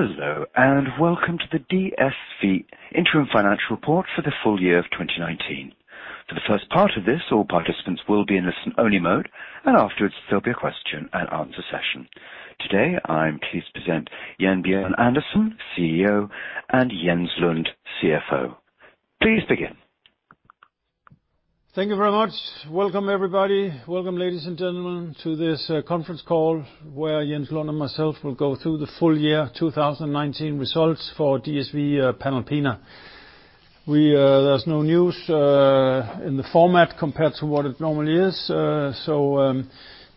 Hello, and welcome to the DSV Interim Financial Report for the full year of 2019. For the first part of this, all participants will be in listen-only mode, and afterwards, there will be a question and answer session. Today, I am pleased to present Jens Bjørn Andersen, CEO, and Jens Lund, CFO. Please begin. Thank you very much. Welcome everybody. Welcome, ladies and gentlemen, to this conference call where Jens Lund and myself will go through the full year 2019 results for DSV Panalpina. There's no news in the format compared to what it normally is.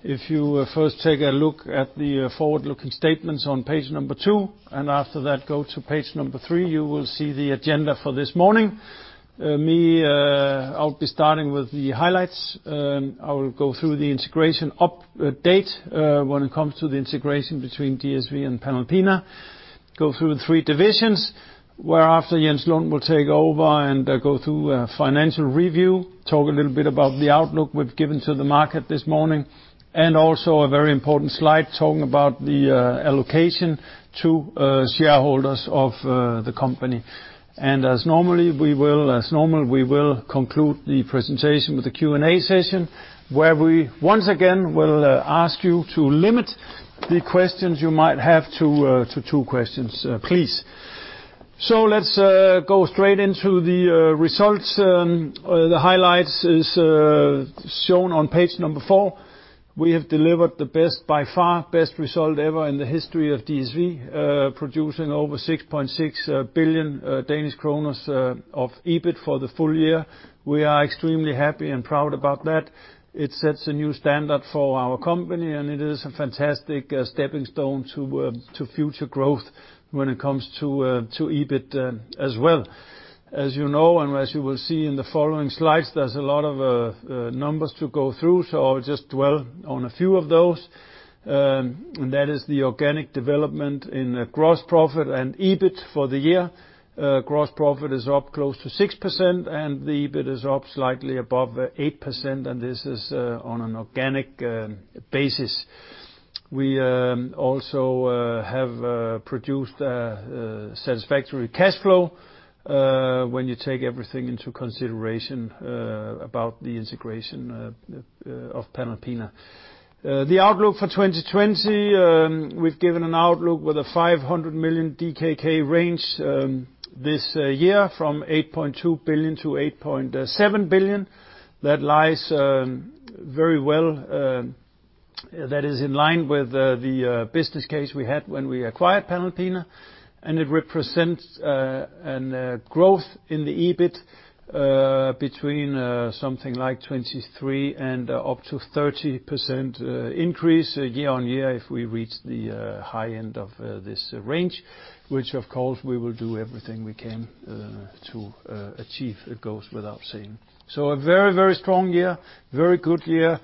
If you first take a look at the forward-looking statements on page number two, and after that, go to page number three, you will see the agenda for this morning. Me, I'll be starting with the highlights. I will go through the integration update when it comes to the integration between DSV and Panalpina, go through the three divisions, where after Jens Lund will take over and go through a financial review, talk a little bit about the outlook we've given to the market this morning, and also a very important slide talking about the allocation to shareholders of the company. As normal, we will conclude the presentation with a Q&A session where we once again will ask you to limit the questions you might have to two questions, please. Let's go straight into the results. The highlights is shown on page number four. We have delivered by far the best result ever in the history of DSV, producing over 6.6 billion Danish kroner of EBIT for the full year. We are extremely happy and proud about that. It sets a new standard for our company, and it is a fantastic stepping stone to future growth when it comes to EBIT as well. As you know, and as you will see in the following slides, there's a lot of numbers to go through, so I'll just dwell on a few of those. That is the organic development in gross profit and EBIT for the year. Gross profit is up close to 6%, and the EBIT is up slightly above 8%, and this is on an organic basis. We also have produced a satisfactory cash flow when you take everything into consideration about the integration of Panalpina. The outlook for 2020, we've given an outlook with a 500 million DKK range this year from 8.2 billion-8.7 billion. That lies very well. That is in line with the business case we had when we acquired Panalpina, and it represents a growth in the EBIT between something like 23% and up to 30% increase year-on-year if we reach the high end of this range, which of course, we will do everything we can to achieve. It goes without saying. A very strong year, very good year.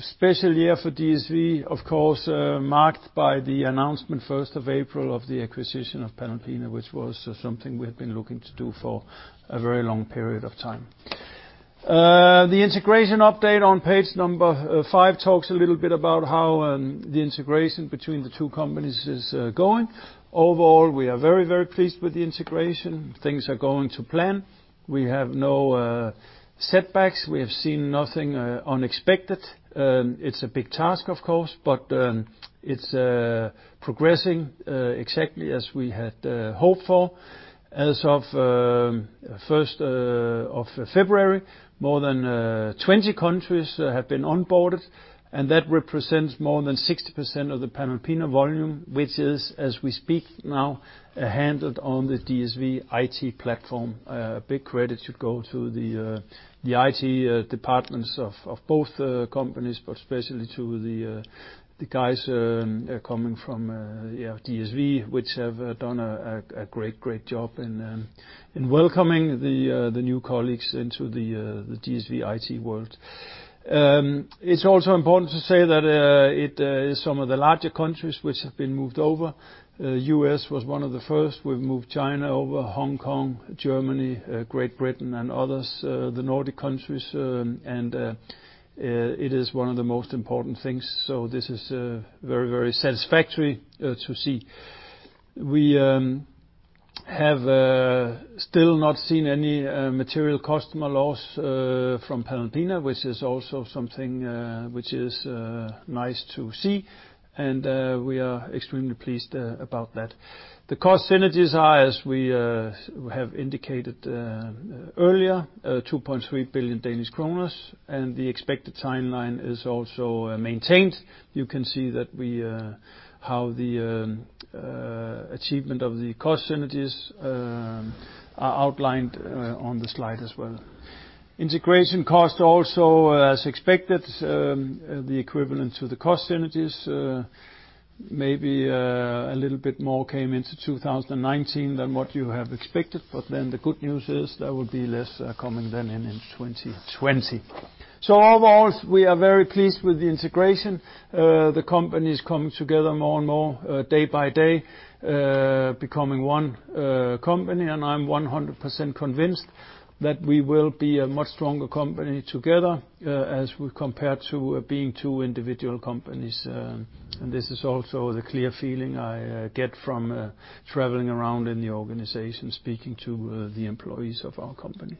Special year for DSV, of course, marked by the announcement 1st of April of the acquisition of Panalpina, which was something we had been looking to do for a very long period of time. The integration update on page number five talks a little bit about how the integration between the two companies is going. Overall, we are very pleased with the integration. Things are going to plan. We have no setbacks. We have seen nothing unexpected. It's a big task, of course, but it's progressing exactly as we had hoped for. As of 1st of February, more than 20 countries have been onboarded, and that represents more than 60% of the Panalpina volume, which is, as we speak now, handled on the DSV IT platform. A big credit should go to the IT departments of both companies, but especially to the guys coming from DSV, which have done a great job in welcoming the new colleagues into the DSV IT world. It's also important to say that it is some of the larger countries which have been moved over. U.S. was one of the first. We've moved China over, Hong Kong, Germany, Great Britain, and others, the Nordic countries, and it is one of the most important things. This is very satisfactory to see. We have still not seen any material customer loss from Panalpina, which is also something which is nice to see, and we are extremely pleased about that. The cost synergies are, as we have indicated earlier, 2.3 billion Danish kroner, and the expected timeline is also maintained. You can see how the achievement of the cost synergies are outlined on the slide as well. Integration cost also, as expected, the equivalent to the cost synergies. Maybe a little bit more came into 2019 than what you have expected, the good news is there will be less coming than in 2020. Overall, we are very pleased with the integration. The companies come together more and more day-by-day, becoming one company, I'm 100% convinced that we will be a much stronger company together as we compare to being two individual companies. This is also the clear feeling I get from traveling around in the organization, speaking to the employees of our company.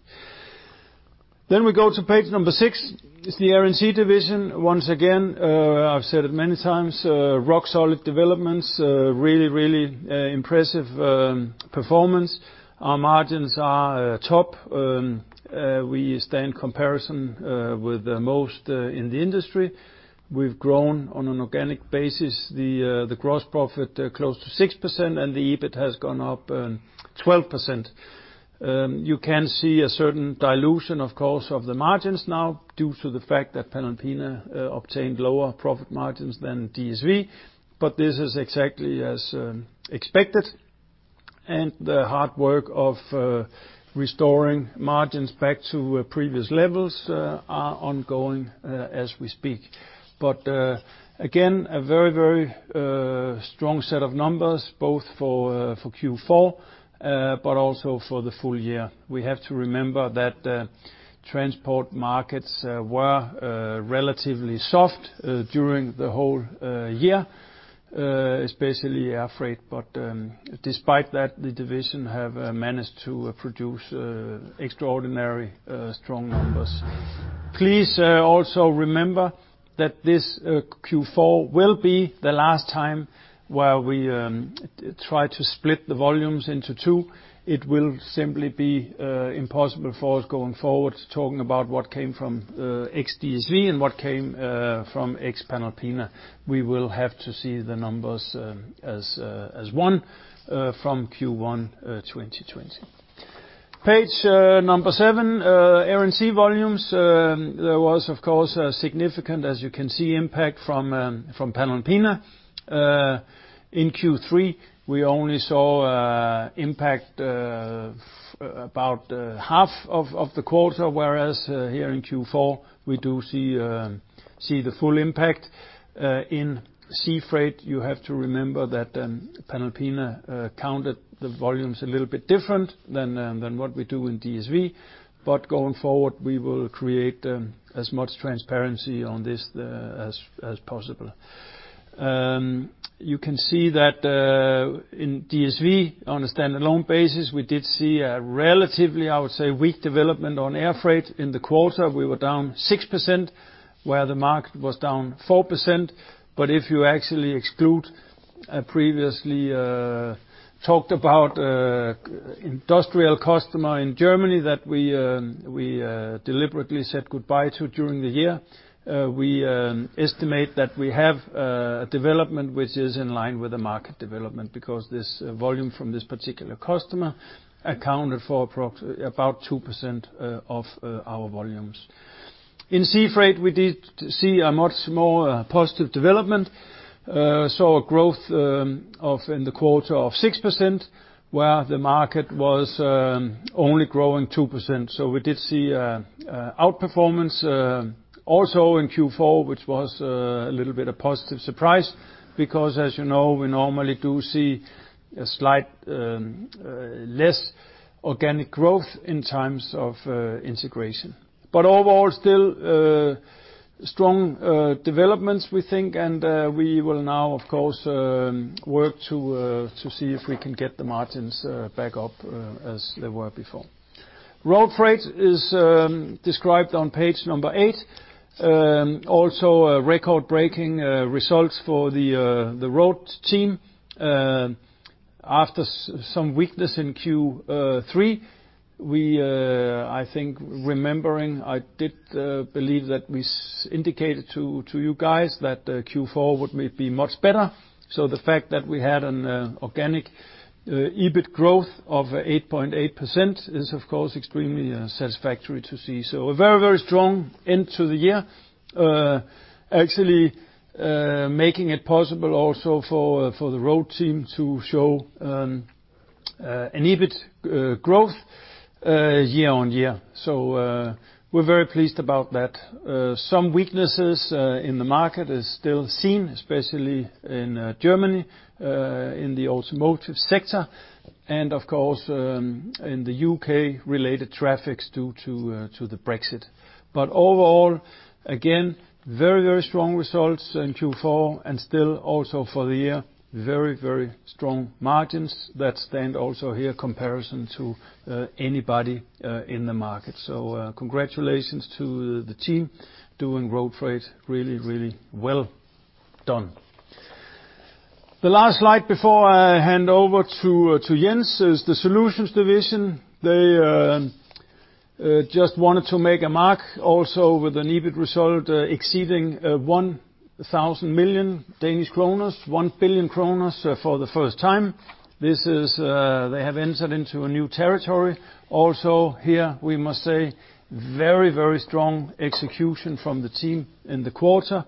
We go to page number six. It's the Air & Sea division. Once again, I've said it many times, rock-solid developments, really impressive performance. Our margins are top. We stay in comparison with most in the industry. We've grown, on an organic basis, the gross profit close to 6%, and the EBIT has gone up 12%. You can see a certain dilution, of course, of the margins now due to the fact that Panalpina obtained lower profit margins than DSV. This is exactly as expected, and the hard work of restoring margins back to previous levels are ongoing as we speak. Again, a very, very strong set of numbers both for Q4, but also for the full year. We have to remember that transport markets were relatively soft during the whole year, especially air freight. Despite that, the division have managed to produce extraordinary strong numbers. Please also remember that this Q4 will be the last time where we try to split the volumes into two. It will simply be impossible for us, going forward, talking about what came from ex-DSV and what came from ex-Panalpina. We will have to see the numbers as one from Q1 2020. Page number seven, Air & Sea volumes. There was, of course, a significant, as you can see, impact from Panalpina. In Q3, we only saw impact about half of the quarter, whereas here in Q4, we do see the full impact. In sea freight, you have to remember that Panalpina counted the volumes a little bit different than what we do in DSV. Going forward, we will create as much transparency on this as possible. You can see that in DSV, on a standalone basis, we did see a relatively, I would say, weak development on air freight in the quarter. We were down 6%, where the market was down 4%. If you actually exclude previously talked about industrial customer in Germany that we deliberately said goodbye to during the year, we estimate that we have a development which is in line with the market development because this volume from this particular customer accounted for about 2% of our volumes. In sea freight, we did see a much more positive development. We saw a growth in the quarter of 6%, where the market was only growing 2%. We did see outperformance also in Q4, which was a little bit of positive surprise because, as you know, we normally do see a slight less organic growth in times of integration. Overall, still strong developments, we think, and we will now, of course, work to see if we can get the margins back up as they were before. Road freight is described on page number eight. A record-breaking results for the road team. After some weakness in Q3, I think remembering, I did believe that we indicated to you guys that Q4 would may be much better. The fact that we had an organic EBIT growth of 8.8% is, of course, extremely satisfactory to see. A very, very strong end to the year, actually making it possible also for the road team to show an EBIT growth year-over-year. We're very pleased about that. Some weaknesses in the market is still seen, especially in Germany, in the automotive sector, and of course, in the U.K., related traffics due to the Brexit. Overall, again, very, very strong results in Q4 and still also for the year, very, very strong margins that stand also here comparison to anybody in the market. Congratulations to the team doing DSV Road really, really well done. The last slide before I hand over to Jens is the Solutions division. They just wanted to make a mark also with an EBIT result exceeding 1,000 million Danish kroner, 1 billion kroner for the first time. They have entered into a new territory. Also here, we must say, very, very strong execution from the team in the quarter.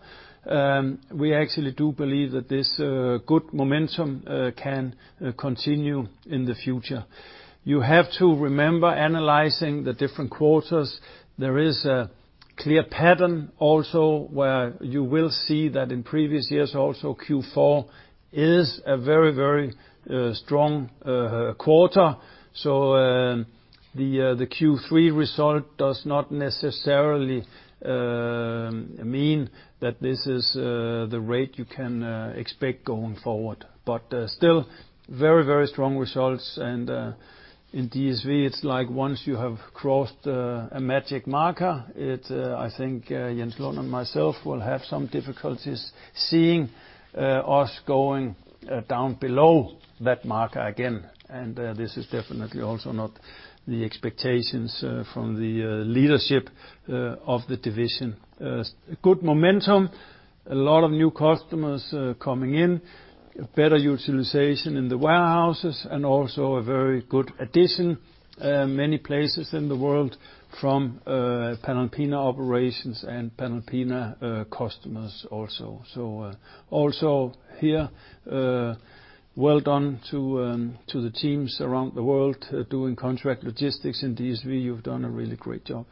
We actually do believe that this good momentum can continue in the future. You have to remember analyzing the different quarters. There is a clear pattern also where you will see that in previous years also Q4 is a very strong quarter. The Q3 result does not necessarily mean that this is the rate you can expect going forward. Still very strong results and in DSV, it's like once you have crossed a magic marker, I think Jens Lund and myself will have some difficulties seeing us going down below that marker again. This is definitely also not the expectations from the leadership of the division. Good momentum, a lot of new customers coming in, better utilization in the warehouses and also a very good addition, many places in the world from Panalpina operations and Panalpina customers also. Also here well done to the teams around the world doing contract logistics in DSV, you've done a really great job.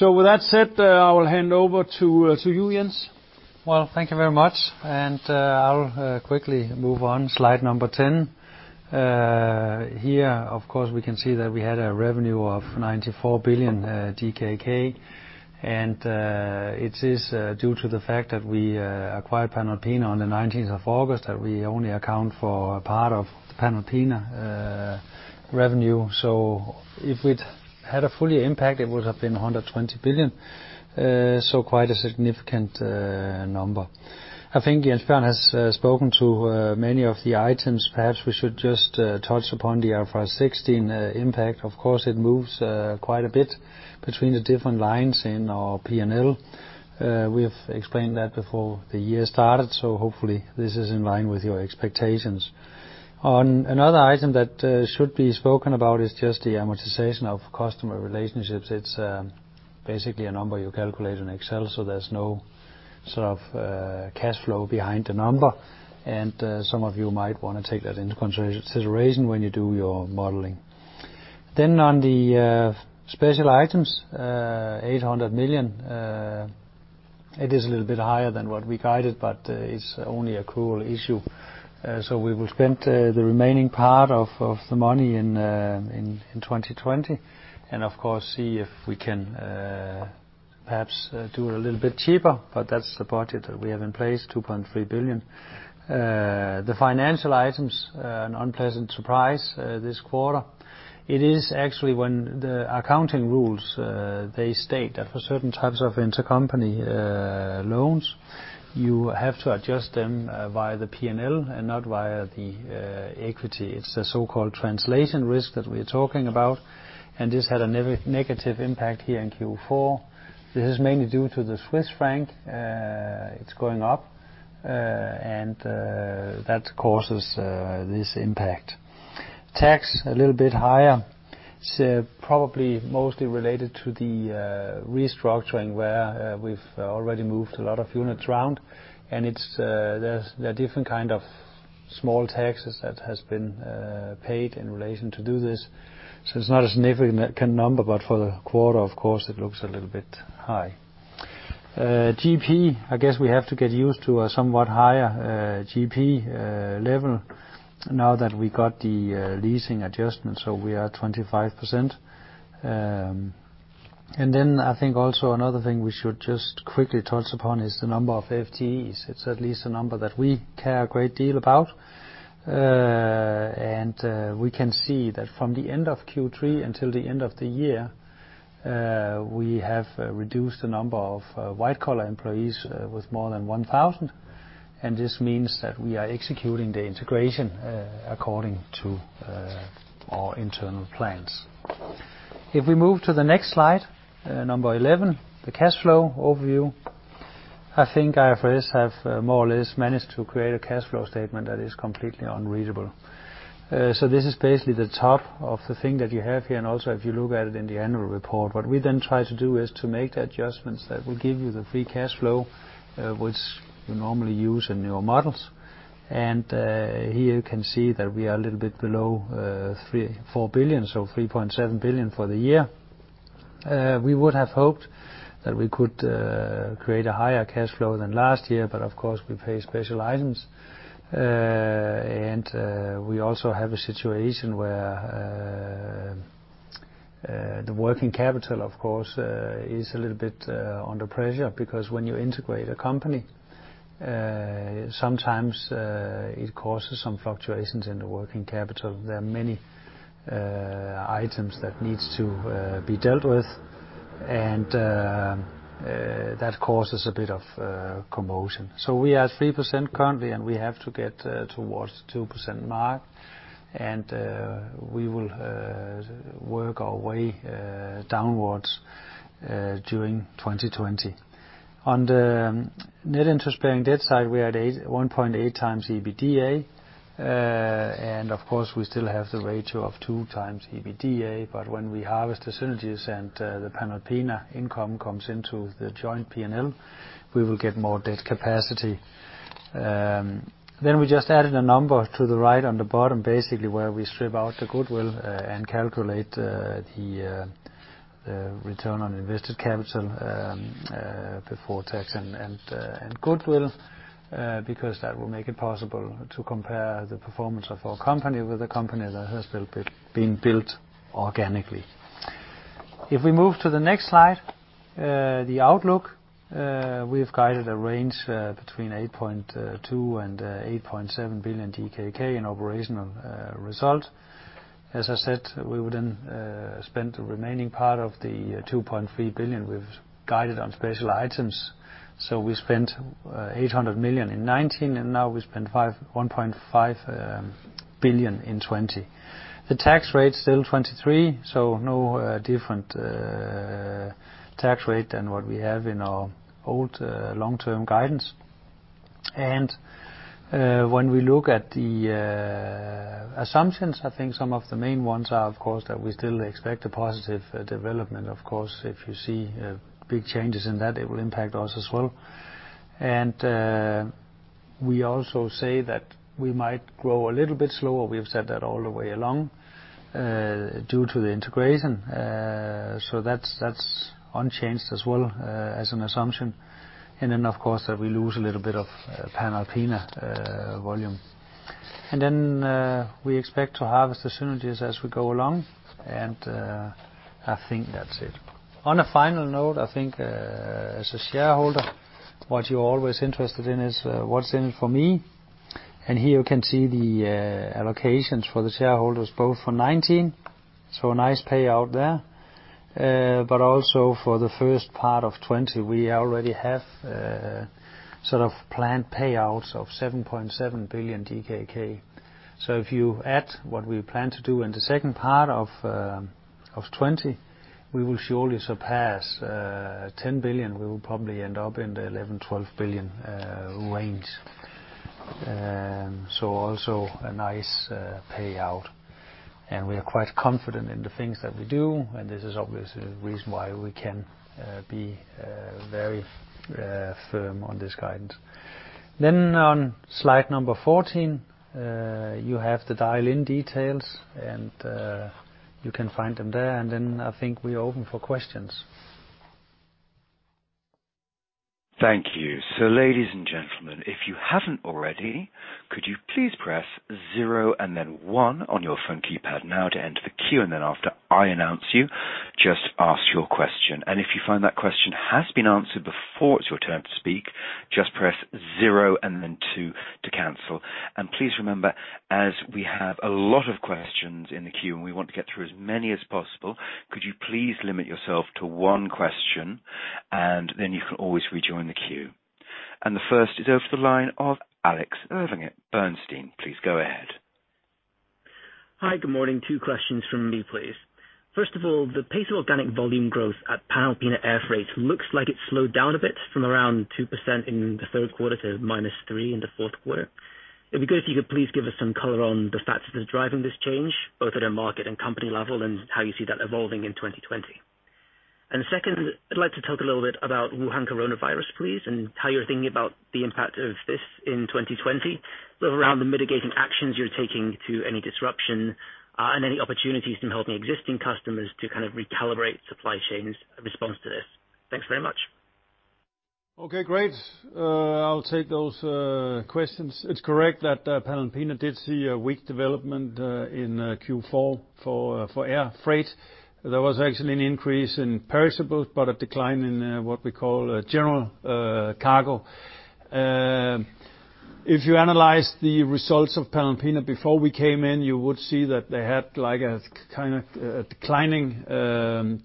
With that said, I will hand over to you, Jens. Thank you very much. I'll quickly move on, slide number 10. Here, of course, we can see that we had a revenue of 94 billion DKK, and it is due to the fact that we acquired Panalpina on the 19th of August, that we only account for a part of Panalpina revenue. If it had a fully impact, it would have been 120 billion. Quite a significant number. I think Jens Bjørn has spoken to many of the items, perhaps we should just touch upon the IFRS 16 impact. Of course, it moves quite a bit between the different lines in our P&L. We have explained that before the year started, so hopefully this is in line with your expectations. Another item that should be spoken about is just the amortization of customer relationships. It's basically a number you calculate in Excel, so there's no sort of cash flow behind the number. Some of you might want to take that into consideration when you do your modeling. On the special items, 800 million. It is a little bit higher than what we guided, but it's only accrual issue. We will spend the remaining part of the money in 2020. Of course, see if we can perhaps do it a little bit cheaper, but that's the budget that we have in place, 2.3 billion. The financial items, an unpleasant surprise this quarter. It is actually when the accounting rules, they state that for certain types of intercompany loans, you have to adjust them via the P&L and not via the equity. It's the so-called translation risk that we're talking about. This had a negative impact here in Q4. This is mainly due to the Swiss franc. It's going up, and that causes this impact. Tax, a little bit higher. It's probably mostly related to the restructuring where we've already moved a lot of units around and there are different kind of small taxes that has been paid in relation to do this. It's not a significant number, but for the quarter, of course, it looks a little bit high. GP, I guess we have to get used to a somewhat higher GP level now that we got the leasing adjustment, so we are 25%. Then I think also another thing we should just quickly touch upon is the number of FTEs. It's at least a number that we care a great deal about. We can see that from the end of Q3 until the end of the year, we have reduced the number of white-collar employees with more than 1,000, and this means that we are executing the integration according to our internal plans. If we move to the next slide, number 11, the cash flow overview. I think IFRS have more or less managed to create a cash flow statement that is completely unreadable. This is basically the top of the thing that you have here, and also if you look at it in the annual report. What we then try to do is to make the adjustments that will give you the free cash flow, which you normally use in your models. Here you can see that we are a little bit below 4 billion, so 3.7 billion for the year. We would have hoped that we could create a higher cash flow than last year, of course, we pay special items. We also have a situation where the working capital of course is a little bit under pressure because when you integrate a company, sometimes it causes some fluctuations in the working capital. There are many items that needs to be dealt with, that causes a bit of commotion. We are at 3% currently, we have to get towards 2% mark, we will work our way downwards during 2020. On the net interest-bearing debt side, we are at 1.8x EBITDA. Of course, we still have the ratio of 2x EBITDA, but when we harvest the synergies and the Panalpina income comes into the joint P&L, we will get more debt capacity. We just added a number to the right on the bottom, basically, where we strip out the goodwill and calculate the return on invested capital before tax and goodwill, because that will make it possible to compare the performance of our company with a company that has been built organically. We move to the next slide, the outlook. We have guided a range between 8.2 billion and 8.7 billion DKK in operational result. We would then spend the remaining part of the 2.3 billion we've guided on special items. We spent 800 million in 2019, and now we spend 1.5 billion in 2020. The tax rate's still 23, no different tax rate than what we have in our old long-term guidance. When we look at the assumptions, I think some of the main ones are, of course, that we still expect a positive development. Of course, if you see big changes in that, it will impact us as well. We also say that we might grow a little bit slower, we've said that all the way along, due to the integration. That's unchanged as well as an assumption. Of course, that we lose a little bit of Panalpina volume. We expect to harvest the synergies as we go along, and I think that's it. On a final note, I think, as a shareholder, what you're always interested in is what's in it for me. Here you can see the allocations for the shareholders, both for 2019. So a nice payout there. Also for the first part of 2020, we already have planned payouts of 7.7 billion DKK. If you add what we plan to do in the second part of 2020, we will surely surpass 10 billion. We will probably end up in the 11 billion-12 billion range. Also a nice payout. We are quite confident in the things that we do, and this is obviously the reason why we can be very firm on this guidance. On slide 14, you have the dial-in details, and you can find them there. I think we're open for questions. Thank you. Ladies and gentlemen, if you haven't already, could you please press zero and then one on your phone keypad now to enter the queue? After I announce you, just ask your question. If you find that question has been answered before it's your turn to speak, just press zero and then two to cancel. Please remember, as we have a lot of questions in the queue and we want to get through as many as possible, could you please limit yourself to one question and then you can always rejoin the queue. The first is over the line of Alex Irving at Bernstein. Please go ahead. Hi, good morning. Two questions from me, please. First of all, the pace of organic volume growth at Panalpina Air Freight looks like it slowed down a bit from around 2% in the third quarter to minus 3% in the fourth quarter. It'd be good if you could please give us some color on the factors that are driving this change, both at a market and company level, and how you see that evolving in 2020. Second, I'd like to talk a little bit about Wuhan coronavirus, please, and how you're thinking about the impact of this in 2020, both around the mitigating actions you're taking to any disruption and any opportunities in helping existing customers to kind of recalibrate supply chains in response to this. Thanks very much. Okay, great. I'll take those questions. It's correct that Panalpina did see a weak development in Q4 for air freight. There was actually an increase in perishables, but a decline in what we call general cargo. If you analyze the results of Panalpina before we came in, you would see that they had a declining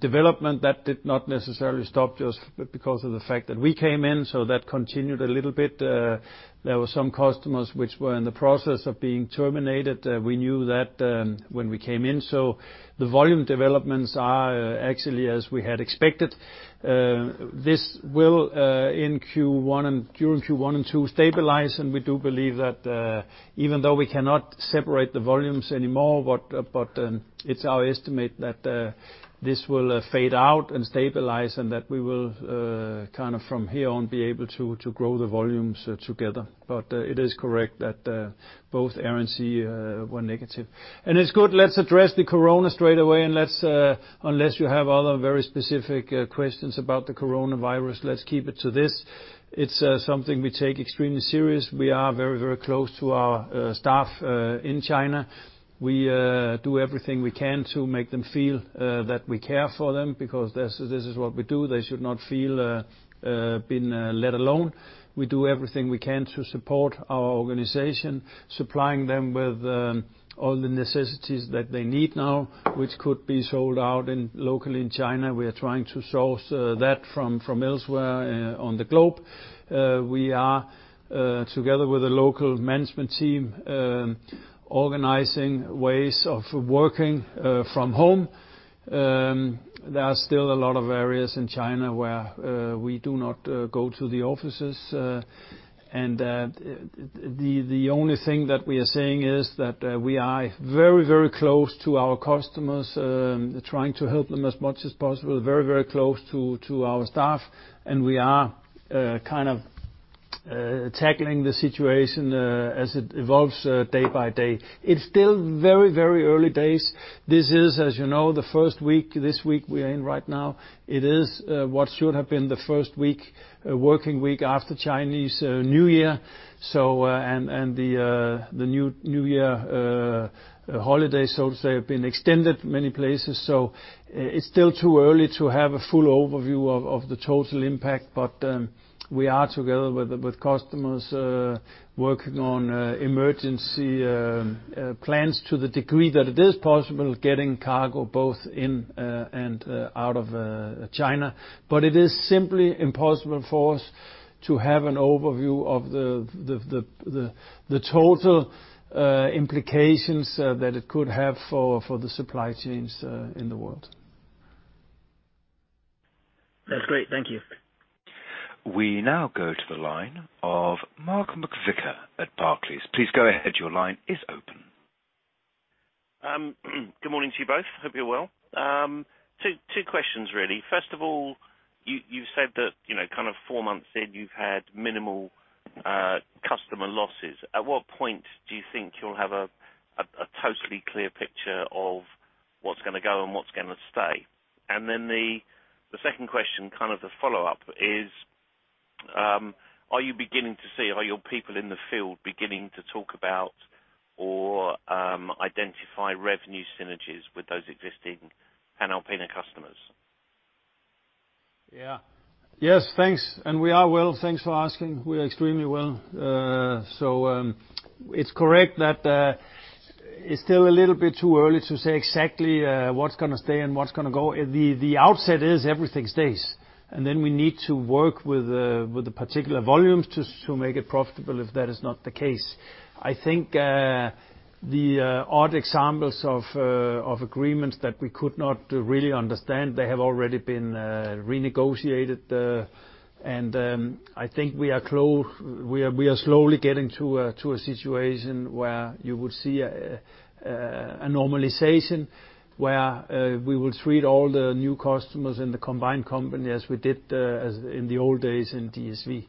development that did not necessarily stop just because of the fact that we came in, so that continued a little bit. There were some customers which were in the process of being terminated. We knew that when we came in. The volume developments are actually as we had expected. This will, during Q1 and Q2, stabilize, and we do believe that even though we cannot separate the volumes anymore, but it's our estimate that this will fade out and stabilize and that we will from here on be able to grow the volumes together. It is correct that both Air & Sea were negative. It's good. Let's address the corona straight away and let's, unless you have other very specific questions about the coronavirus, let's keep it to this. It's something we take extremely serious. We are very, very close to our staff in China. We do everything we can to make them feel that we care for them because this is what we do. They should not feel been let alone. We do everything we can to support our organization, supplying them with all the necessities that they need now, which could be sold out locally in China. We are trying to source that from elsewhere on the globe. We are, together with the local management team, organizing ways of working from home. There are still a lot of areas in China where we do not go to the offices. The only thing that we are saying is that we are very, very close to our customers, trying to help them as much as possible, very, very close to our staff. we are kind of tackling the situation as it evolves day by day. It's still very early days. This is, as you know, the first week, this week we are in right now, it is what should have been the first working week after Chinese New Year. The New Year holiday, so to say, have been extended many places. It's still too early to have a full overview of the total impact, but we are together with customers working on emergency plans to the degree that it is possible getting cargo both in and out of China. It is simply impossible for us to have an overview of the total implications that it could have for the supply chains in the world. That's great. Thank you. We now go to the line of Mark McVicar at Barclays. Please go ahead. Your line is open. Good morning to you both. Hope you're well. Two questions really. First of all, you said that, kind of four months in, you've had minimal customer losses. At what point do you think you'll have a totally clear picture of what's going to go and what's going to stay? The second question, kind of the follow-up is, are you beginning to see, are your people in the field beginning to talk about or identify revenue synergies with those existing Panalpina customers? Yeah. Yes, thanks. We are well, thanks for asking. We are extremely well. It's correct that it's still a little bit too early to say exactly what's going to stay and what's going to go. The outset is everything stays, and then we need to work with the particular volumes to make it profitable if that is not the case. I think the odd examples of agreements that we could not really understand, they have already been renegotiated. I think we are slowly getting to a situation where you would see a normalization where we will treat all the new customers in the combined company as we did in the old days in DSV.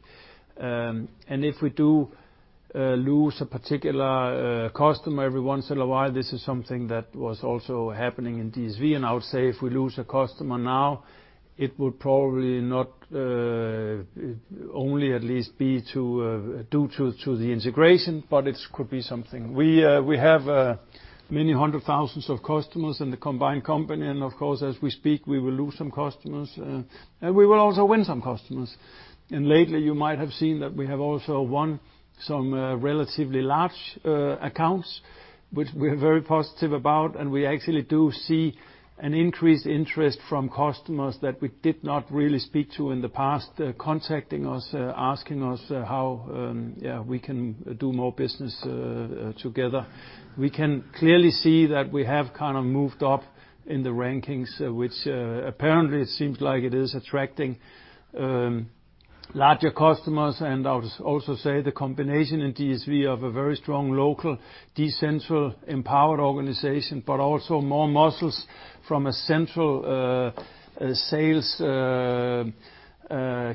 If we do lose a particular customer every once in a while, this is something that was also happening in DSV, and I would say if we lose a customer now, it would probably not only at least be due to the integration, but it could be something. We have many hundred thousands of customers in the combined company, and of course, as we speak, we will lose some customers, and we will also win some customers. Lately, you might have seen that we have also won some relatively large accounts, which we're very positive about, and we actually do see an increased interest from customers that we did not really speak to in the past, contacting us, asking us how we can do more business together. We can clearly see that we have kind of moved up in the rankings, which apparently seems like it is attracting larger customers, and I would also say the combination in DSV of a very strong local, decentral empowered organization, but also more muscles from a central sales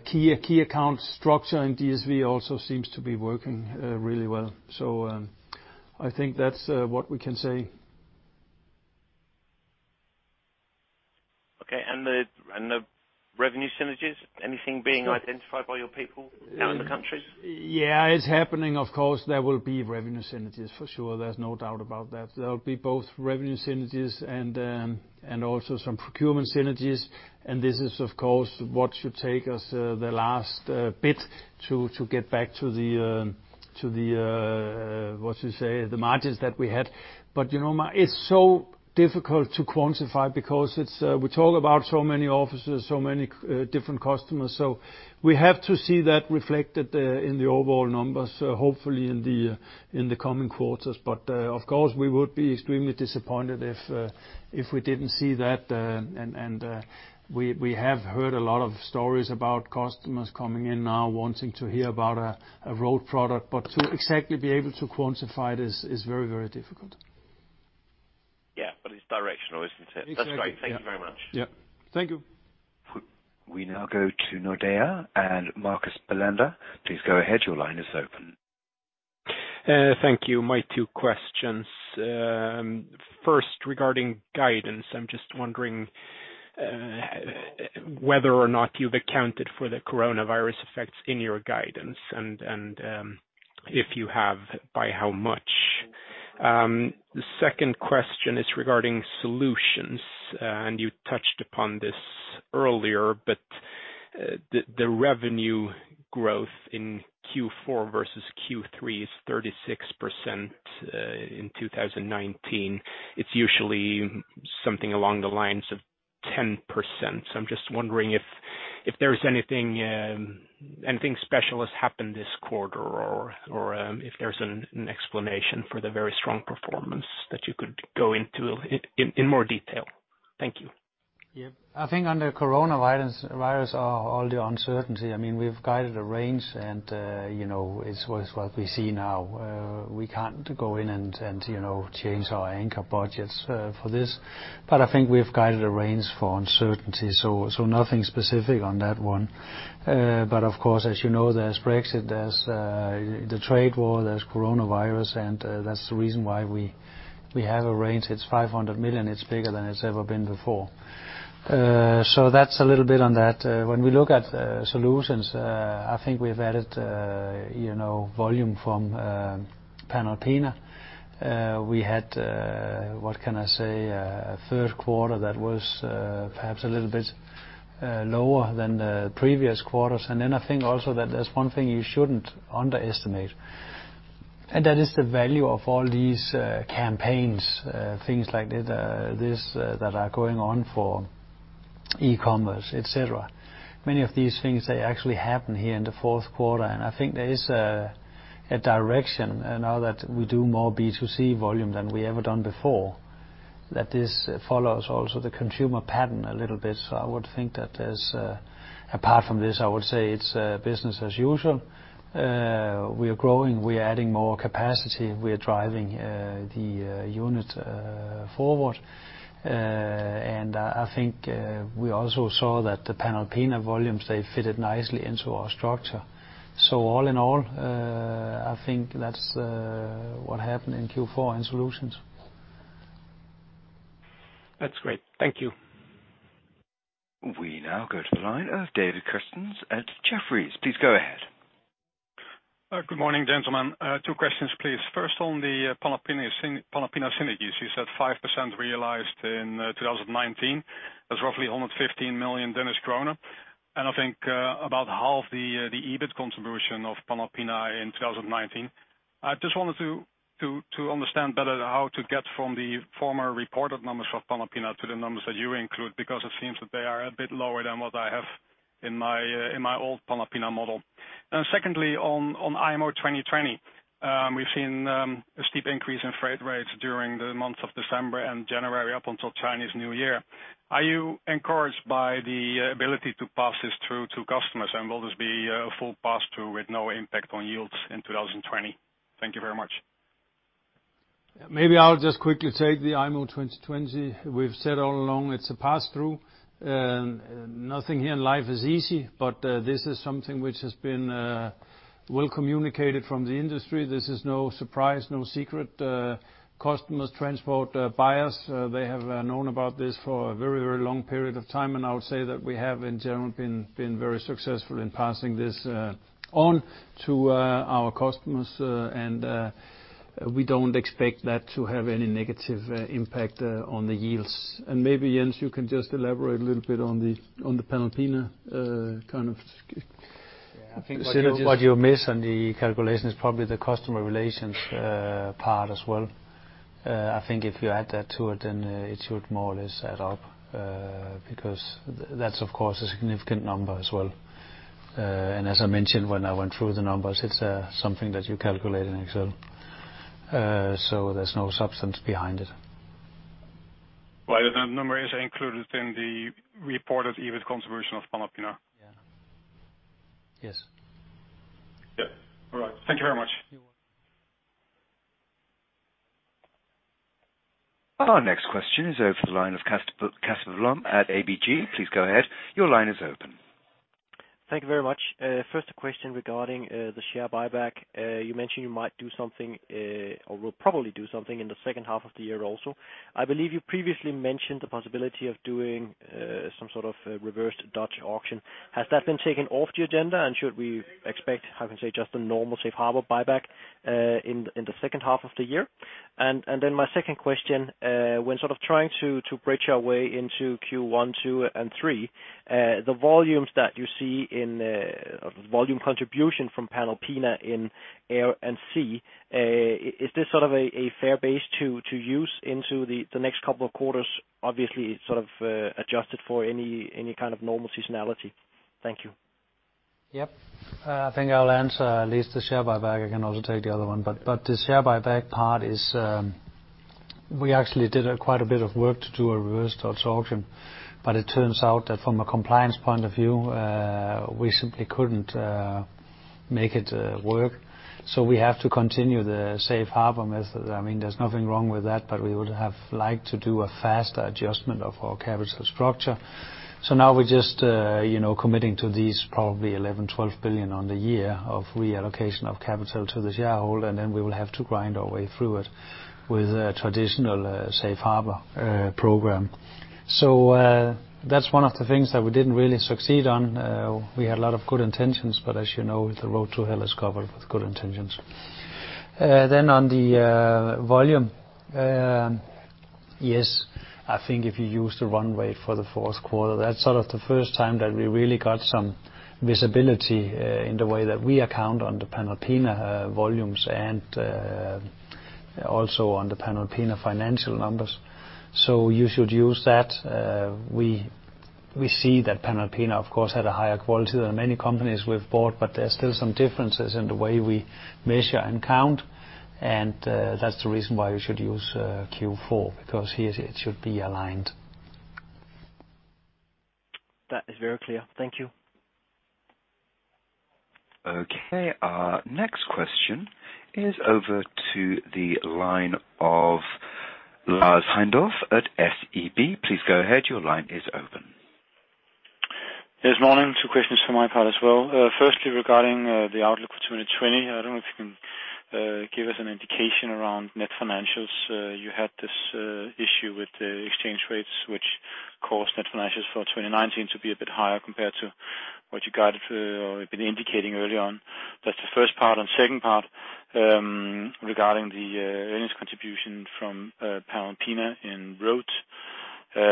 key account structure in DSV also seems to be working really well. I think that's what we can say. Okay. The revenue synergies, anything being identified by your people? Yes. Out in the countries? Yeah, it's happening. Of course, there will be revenue synergies for sure. There's no doubt about that. There'll be both revenue synergies and also some procurement synergies. This is of course what should take us the last bit to get back to the, what you say, the margins that we had. It's so difficult to quantify because we talk about so many offices, so many different customers. We have to see that reflected in the overall numbers, hopefully in the coming quarters. Of course, we would be extremely disappointed if we didn't see that. We have heard a lot of stories about customers coming in now wanting to hear about a road product. To exactly be able to quantify it is very difficult. Yeah. It's directional, isn't it? Exactly, yeah. That's great. Thank you very much. Yeah. Thank you. We now go to Nordea and Marcus Bellander. Please go ahead. Your line is open. Thank you. My two questions. First, regarding guidance, I'm just wondering whether or not you've accounted for the coronavirus effects in your guidance, and if you have, by how much? The second question is regarding Solutions. You touched upon this earlier, but the revenue growth in Q4 versus Q3 is 36% in 2019. It's usually something along the lines of 10%. I'm just wondering if anything special has happened this quarter or if there's an explanation for the very strong performance that you could go into in more detail. Thank you. I think under coronavirus, all the uncertainty, we've guided a range, and it's what we see now. We can't go in and change our anchor budgets for this. I think we have guided a range for uncertainty, so nothing specific on that one. Of course, as you know, there's Brexit, there's the trade war, there's coronavirus, and that's the reason why we have a range. It's 500 million. It's bigger than it's ever been before. That's a little bit on that. When we look at Solutions, I think we've added volume from Panalpina. We had, what can I say? A third quarter that was perhaps a little bit lower than the previous quarters. I think also that there's one thing you shouldn't underestimate, and that is the value of all these campaigns, things like this, that are going on for e-commerce, et cetera. Many of these things, they actually happen here in the fourth quarter. I think there is a direction now that we do more B2C volume than we ever done before, that this follows also the consumer pattern a little bit. I would think that apart from this, I would say it's business as usual. We are growing, we are adding more capacity, we are driving the unit forward. I think we also saw that the Panalpina volumes, they fitted nicely into our structure. All in all, I think that's what happened in Q4 in Solutions. That's great. Thank you. We now go to the line of David Kerstens at Jefferies. Please go ahead. Good morning, gentlemen. Two questions, please. First, on the Panalpina synergies. You said 5% realized in 2019. That's roughly 115 million Danish kroner. I think about half the EBIT contribution of Panalpina in 2019. I just wanted to understand better how to get from the former reported numbers of Panalpina to the numbers that you include, because it seems that they are a bit lower than what I have in my old Panalpina model. Secondly, on IMO 2020. We've seen a steep increase in freight rates during the months of December and January up until Chinese New Year. Are you encouraged by the ability to pass this through to customers, and will this be a full pass-through with no impact on yields in 2020? Thank you very much. Maybe I'll just quickly take the IMO 2020. We've said all along it's a pass-through. Nothing here in life is easy, but this is something which has been well communicated from the industry. This is no surprise, no secret. Customers, transport buyers, they have known about this for a very long period of time. I would say that we have, in general, been very successful in passing this on to our customers. We don't expect that to have any negative impact on the yields. Maybe, Jens, you can just elaborate a little bit on the Panalpina kind of synergies. I think what you miss on the calculation is probably the customer relations part as well. I think if you add that to it, then it should more or less add up, because that's of course a significant number as well. As I mentioned when I went through the numbers, it's something that you calculate in Excel. There's no substance behind it. Well, the number is included in the reported EBIT contribution of Panalpina. Yeah. Yes. Yeah. All right. Thank you very much. You're welcome. Our next question is over the line of Casper Blom at ABG. Please go ahead. Your line is open. Thank you very much. First a question regarding the share buyback. You mentioned you might do something, or will probably do something in the second half of the year also. I believe you previously mentioned the possibility of doing some sort of reversed Dutch auction. Has that been taken off the agenda, and should we expect, how can I say, just a normal safe harbor buyback in the second half of the year? My second question. When trying to bridge our way into Q1, Q2, and Q3, the volumes that you see in volume contribution from Panalpina in air and sea, is this a fair base to use into the next couple of quarters? Obviously, sort of adjusted for any kind of normal seasonality. Thank you. Yep. I think I'll answer at least the share buyback. I can also take the other one. The share buyback part is, we actually did quite a bit of work to do a reverse Dutch auction. It turns out that from a compliance point of view, we simply couldn't make it work. We have to continue the safe harbor method. There's nothing wrong with that, but we would have liked to do a faster adjustment of our capital structure. Now we're just committing to these probably 11 billion-12 billion on the year of reallocation of capital to the shareholder, and then we will have to grind our way through it with a traditional safe harbor program. That's one of the things that we didn't really succeed on. We had a lot of good intentions, but as you know, the road to hell is covered with good intentions. On the volume. Yes, I think if you use the runway for the fourth quarter, that's sort of the first time that we really got some visibility in the way that we account on the Panalpina volumes and also on the Panalpina financial numbers. You should use that. We see that Panalpina, of course, had a higher quality than many companies we've bought, but there's still some differences in the way we measure and count. That's the reason why you should use Q4, because here it should be aligned. That is very clear. Thank you. Okay. Our next question is over to the line of Lars Heindorff at SEB. Please go ahead. Your line is open. Yes, morning. Two questions from my part as well. Firstly, regarding the outlook for 2020, I don't know if you can give us an indication around net financials. You had this issue with the exchange rates, which caused net financials for 2019 to be a bit higher compared to what you guided for or had been indicating early on. That's the first part. Second part, regarding the earnings contribution from Panalpina in roads. As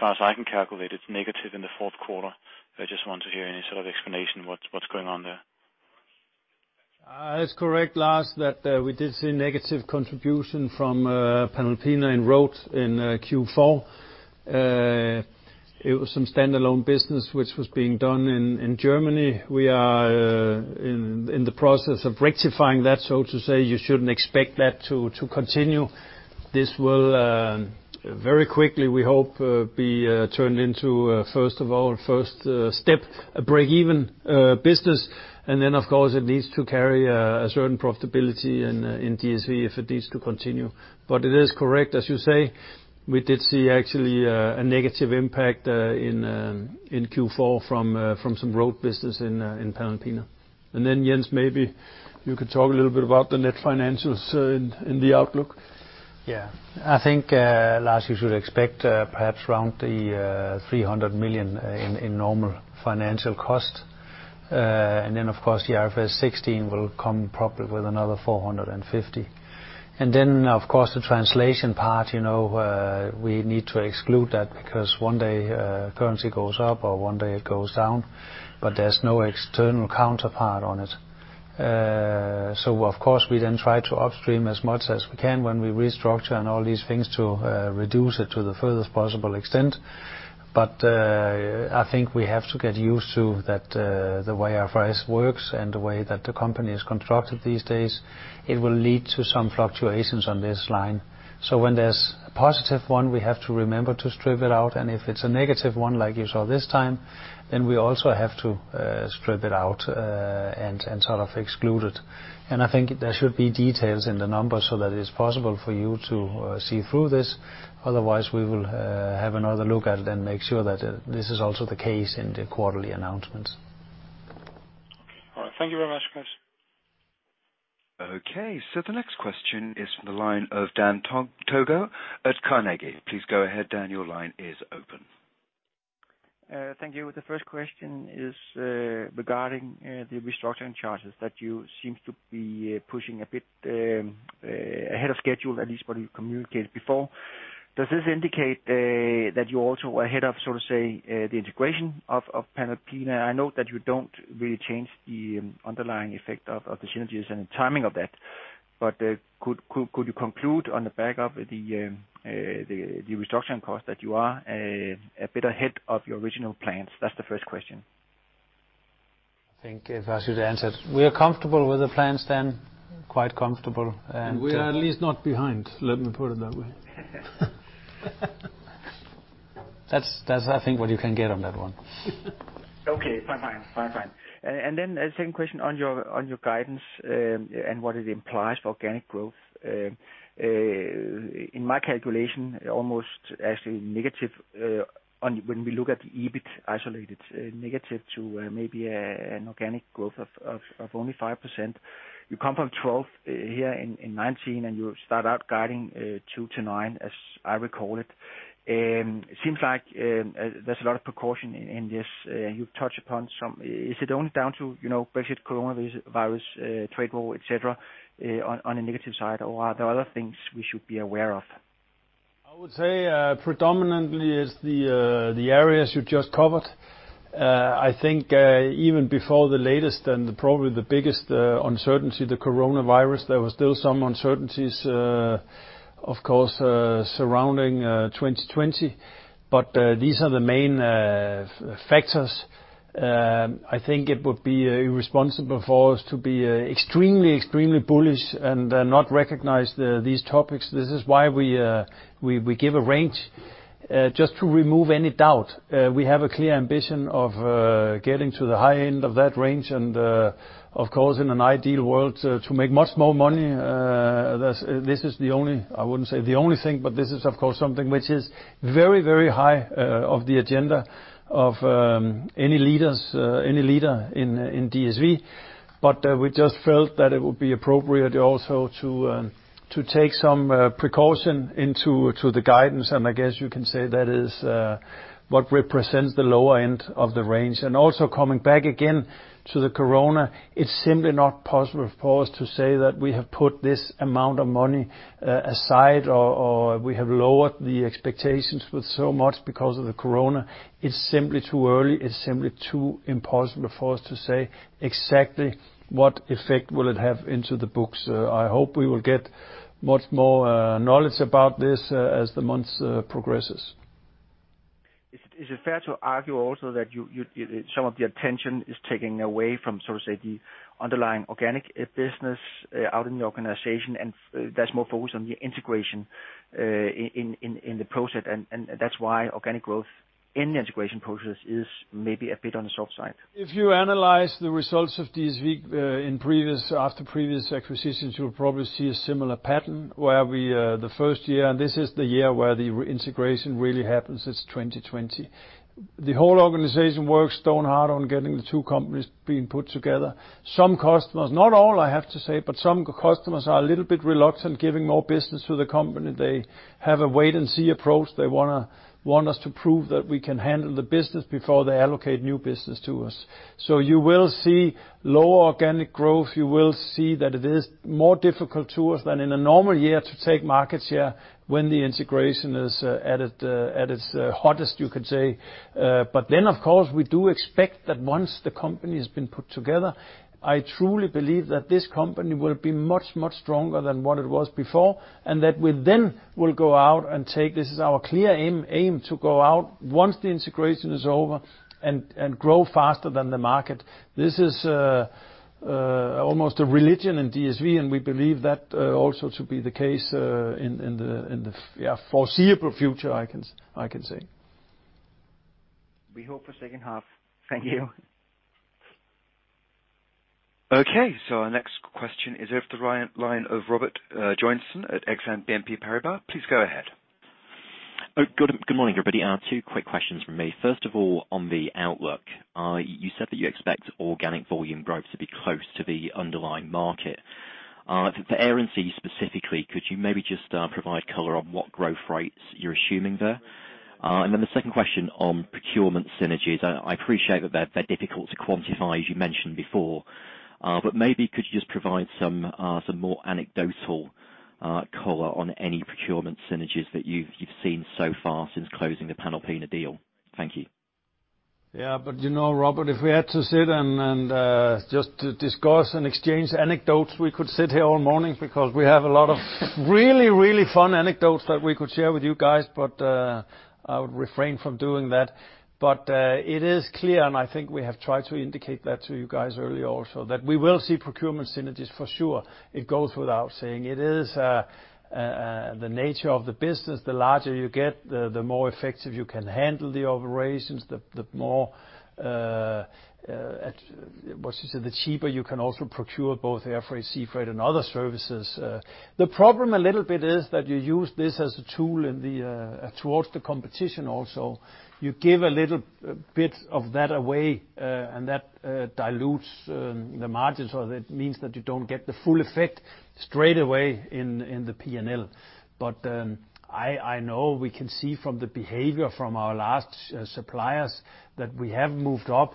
far as I can calculate, it's negative in the fourth quarter. I just want to hear any sort of explanation what's going on there. That's correct, Lars, that we did see negative contribution from Panalpina in roads in Q4. It was some standalone business which was being done in Germany. We are in the process of rectifying that, so to say. You shouldn't expect that to continue. This will very quickly, we hope, be turned into, first of all, first step, a break-even business. Then, of course, it needs to carry a certain profitability in DSV if it needs to continue. It is correct, as you say. We did see actually a negative impact in Q4 from some road business in Panalpina. Then, Jens, maybe you could talk a little bit about the net financials in the outlook. Yeah. I think, Lars, you should expect perhaps around 300 million in normal financial cost. Then, of course, the IFRS 16 will come probably with another 450 million. Then, of course, the translation part, we need to exclude that because one day currency goes up or one day it goes down, but there's no external counterpart on it. Of course, we then try to upstream as much as we can when we restructure and all these things to reduce it to the furthest possible extent. I think we have to get used to the way IFRS works and the way that the company is constructed these days. It will lead to some fluctuations on this line. When there's a positive one, we have to remember to strip it out. If it's a negative one, like you saw this time, then we also have to strip it out and sort of exclude it. I think there should be details in the numbers so that it is possible for you to see through this. Otherwise, we will have another look at it and make sure that this is also the case in the quarterly announcements. Okay. All right. Thank you very much, guys. Okay, the next question is from the line of Dan Togo at Carnegie. Please go ahead, Dan, your line is open. Thank you. The first question is regarding the restructuring charges that you seem to be pushing a bit ahead of schedule, at least what you communicated before. Does this indicate that you are also ahead of, so to say, the integration of Panalpina? I know that you do not really change the underlying effect of the synergies and the timing of that. Could you conclude on the back of the restructuring cost that you are a bit ahead of your original plans? That is the first question. I think if I should answer, we are comfortable with the plans, Dan, quite comfortable. We are at least not behind, let me put it that way. That's I think what you can get on that one. Okay, fine. Then the second question on your guidance and what it implies for organic growth. In my calculation, almost actually negative when we look at the EBIT isolated, negative to maybe an organic growth of only 5%. You come from 12 here in 2019. You start out guiding 2%-9%, as I recall it. Seems like there's a lot of precaution in this. You've touched upon some. Is it only down to Brexit, coronavirus, trade war, et cetera, on a negative side? Are there other things we should be aware of? I would say predominantly is the areas you just covered. I think even before the latest and probably the biggest uncertainty, the coronavirus, there were still some uncertainties of course, surrounding 2020. These are the main factors. I think it would be irresponsible for us to be extremely bullish and not recognize these topics. This is why we give a range, just to remove any doubt. We have a clear ambition of getting to the high end of that range and, of course, in an ideal world, to make much more money. This is I wouldn't say the only thing, but this is, of course, something which is very high on the agenda of any leader in DSV. We just felt that it would be appropriate also to take some precaution into the guidance, and I guess you can say that is what represents the lower end of the range. Also coming back again to the corona, it is simply not possible for us to say that we have put this amount of money aside or we have lowered the expectations with so much because of the corona. It is simply too early. It is simply too impossible for us to say exactly what effect will it have into the books. I hope we will get much more knowledge about this as the months progress. Is it fair to argue also that some of the attention is taken away from, so to say, the underlying organic business out in the organization, and there is more focus on the integration in the process, and that is why organic growth in the integration process is maybe a bit on the soft side? If you analyze the results of DSV after previous acquisitions, you'll probably see a similar pattern where the first year, and this is the year where the integration really happens, it's 2020. The whole organization works stone hard on getting the two companies being put together. Some customers, not all I have to say, some customers are a little bit reluctant giving more business to the company. They have a wait and see approach. They want us to prove that we can handle the business before they allocate new business to us. You will see lower organic growth. You will see that it is more difficult to us than in a normal year to take market share when the integration is at its hottest, you could say. Of course, we do expect that once the company has been put together, I truly believe that this company will be much, much stronger than what it was before, and that we then will go out and take, this is our clear aim, to go out once the integration is over and grow faster than the market. This is almost a religion in DSV, and we believe that also to be the case in the foreseeable future, I can say. We hope for second half. Thank you. Okay, our next question is over the line of Robert Joynson at Exane BNP Paribas. Please go ahead. Good morning, everybody. Two quick questions from me. First of all, on the outlook. You said that you expect organic volume growth to be close to the underlying market. For Air & Sea specifically, could you maybe just provide color on what growth rates you're assuming there? The second question on procurement synergies. I appreciate that they're difficult to quantify, as you mentioned before. Maybe could you just provide some more anecdotal color on any procurement synergies that you've seen so far since closing the Panalpina deal? Thank you. Yeah. You know, Robert, if we had to sit and just discuss and exchange anecdotes, we could sit here all morning because we have a lot of really, really fun anecdotes that we could share with you guys. I would refrain from doing that. It is clear, and I think we have tried to indicate that to you guys earlier also, that we will see procurement synergies for sure. It goes without saying. It is the nature of the business. The larger you get, the more effective you can handle the operations, the more, what you say, the cheaper you can also procure both air freight, sea freight, and other services. The problem a little bit is that you use this as a tool towards the competition also. You give a little bit of that away, and that dilutes the margins, or it means that you don't get the full effect straight away in the P&L. I know we can see from the behavior from our last suppliers that we have moved up.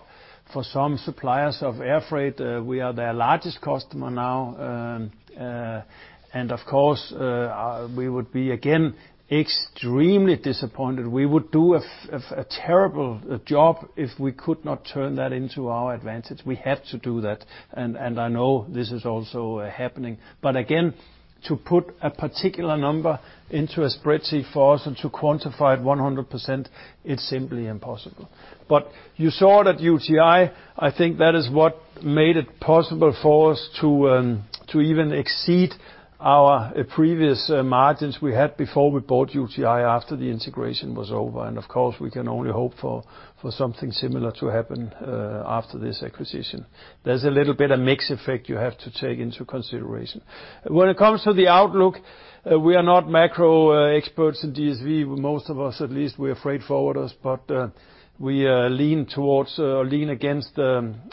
For some suppliers of air freight, we are their largest customer now. Of course, we would be again extremely disappointed. We would do a terrible job if we could not turn that into our advantage. We have to do that. I know this is also happening. Again, to put a particular number into a spreadsheet for us and to quantify it 100%, it's simply impossible. You saw that UTi, I think that is what made it possible for us to even exceed our previous margins we had before we bought UTi after the integration was over. Of course, we can only hope for something similar to happen after this acquisition. There's a little bit of mix effect you have to take into consideration. When it comes to the outlook, we are not macro experts in DSV. Most of us, at least, we are freight forwarders. We lean against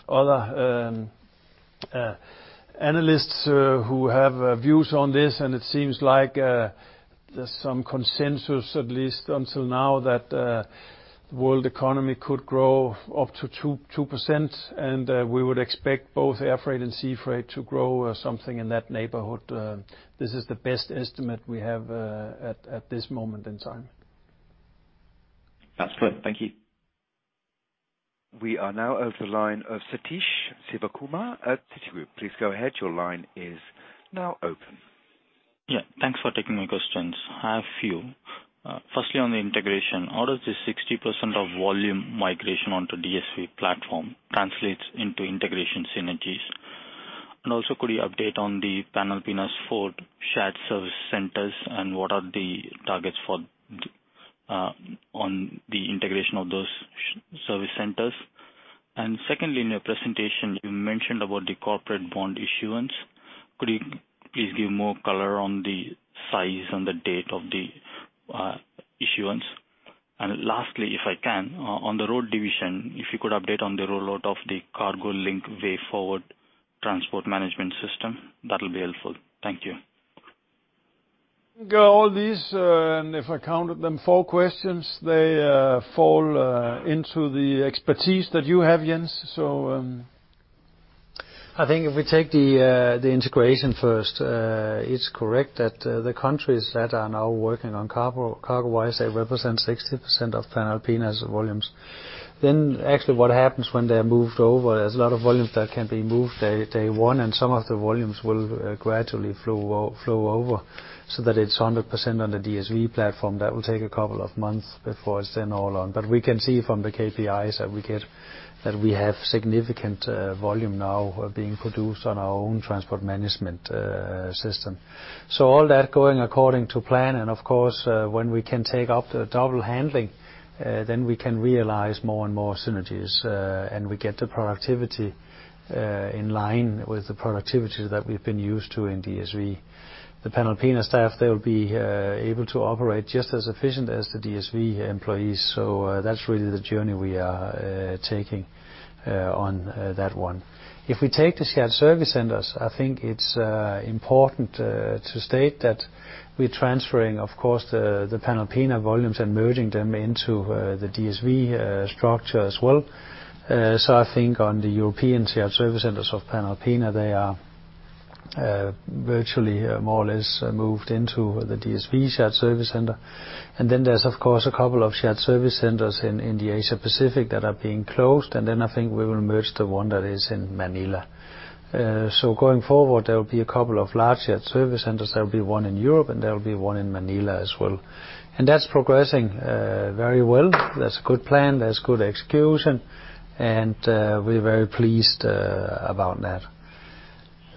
other analysts who have views on this, and it seems like there's some consensus, at least until now, that world economy could grow up to 2%, and we would expect both air freight and sea freight to grow something in that neighborhood. This is the best estimate we have at this moment in time. That's clear. Thank you. We are now over the line of Sathish Sivakumar at Citigroup. Please go ahead. Your line is now open. Yeah. Thanks for taking my questions. I have a few. Firstly, on the integration, how does the 60% of volume migration onto DSV platform translates into integration synergies? Also, could you update on the Panalpina's four shared service centers, and what are the targets on the integration of those service centers? Secondly, in your presentation, you mentioned about the corporate bond issuance. Could you please give more color on the size and the date of the issuance? Lastly, if I can, on the road division, if you could update on the rollout of the CargoLink Way Forward Transport Management System, that'll be helpful. Thank you. Got all these, and if I counted them, four questions, they fall into the expertise that you have, Jens. I think if we take the integration first, it's correct that the countries that are now working on CargoWise, they represent 60% of Panalpina's volumes. Actually what happens when they are moved over, there's a lot of volumes that can be moved day one, and some of the volumes will gradually flow over, so that it's 100% on the DSV platform. That will take a couple of months before it's then all on. We can see from the KPIs that we get that we have significant volume now being produced on our own transport management system. All that going according to plan, and of course, when we can take up the double handling, then we can realize more and more synergies, and we get the productivity in line with the productivity that we've been used to in DSV. The Panalpina staff, they'll be able to operate just as efficient as the DSV employees. That's really the journey we are taking on that one. If we take the shared service centers, I think it's important to state that we're transferring, of course, the Panalpina volumes and merging them into the DSV structure as well. I think on the European shared service centers of Panalpina, they are virtually more or less moved into the DSV shared service center. There's, of course, a couple of shared service centers in the Asia Pacific that are being closed. I think we will merge the one that is in Manila. Going forward, there will be a couple of large shared service centers. There will be one in Europe, and there will be one in Manila as well. That's progressing very well. That's a good plan. There's good execution, and we're very pleased about that.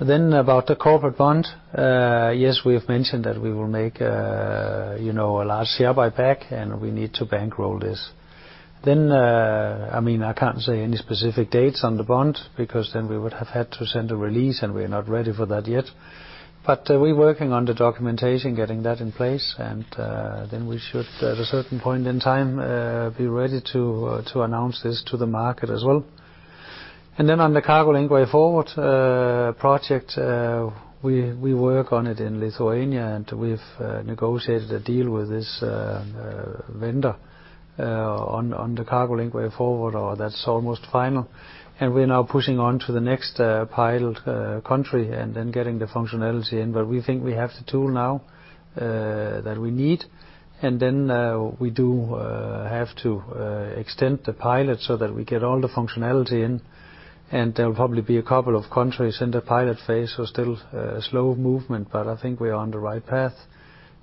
About the corporate bond. Yes, we have mentioned that we will make a large share buyback, and we need to bankroll this. I can't say any specific dates on the bond because then we would have had to send a release, and we're not ready for that yet. We're working on the documentation, getting that in place, and then we should, at a certain point in time, be ready to announce this to the market as well. On the CargoLink Way Forward project, we work on it in Lithuania, and we've negotiated a deal with this vendor on the CargoLink Way Forward, or that's almost final. We're now pushing on to the next pilot country and then getting the functionality in. We think we have the tool now that we need, and then we do have to extend the pilot so that we get all the functionality in, and there'll probably be a couple of countries in the pilot phase, so still a slow movement, but I think we are on the right path,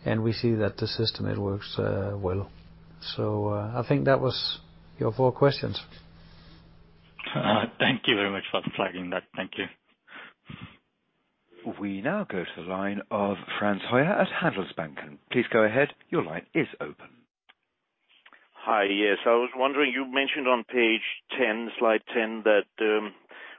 and we see that the system, it works well. I think that was your four questions. Thank you very much for flagging that. Thank you. We now go to the line of Frans Hoyer at Handelsbanken. Please go ahead. Your line is open. Hi. Yes. I was wondering, you mentioned on page 10, slide 10, that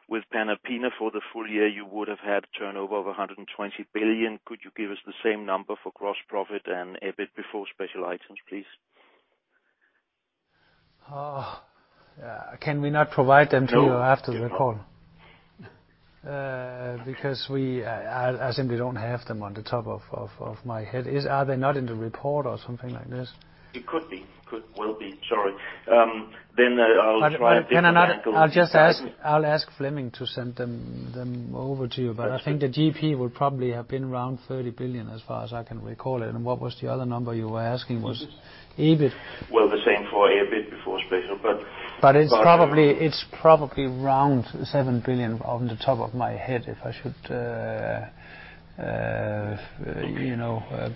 with Panalpina for the full year, you would have had turnover of 120 billion. Could you give us the same number for gross profit and EBIT before special items, please? Can we not provide them to you after the call? No. I simply don't have them on the top of my head. Are they not in the report or something like this? It could be. Will be. Sorry. I'll try a different angle. I'll ask Flemming to send them over to you. I think the GP would probably have been around 30 billion as far as I can recall it. What was the other number you were asking was? EBIT. Well, the same for EBIT before special, but. It's probably around 7 billion off the top of my head.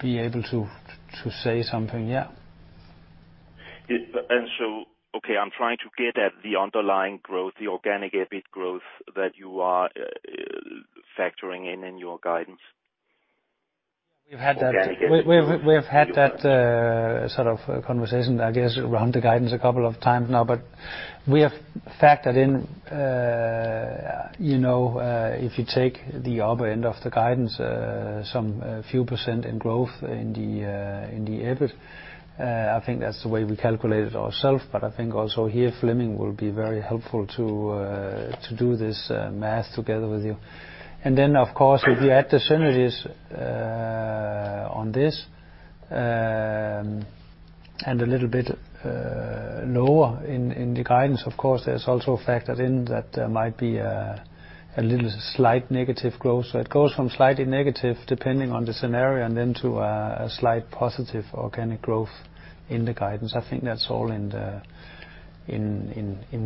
Be able to say something. Yeah. Okay, I'm trying to get at the underlying growth, the organic EBIT growth that you are factoring in in your guidance. We've had that. Organic EBIT growth. We've had that sort of conversation, I guess, around the guidance a couple of times now. We have factored in, if you take the upper end of the guidance, some few % in growth in the EBIT. I think that's the way we calculate it ourselves, but I think also here, Flemming will be very helpful to do this math together with you. Of course, if you add the synergies on this and a little bit lower in the guidance, of course, there's also factored in that there might be a little slight negative growth. It goes from slightly negative depending on the scenario and then to a slight positive organic growth in the guidance. I think that's all in